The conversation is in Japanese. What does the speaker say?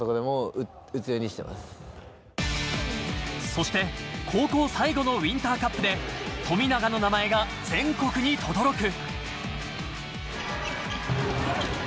そして高校最後のウインターカップで富永の名前が全国にとどろく。